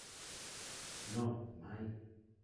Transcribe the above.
No, mai.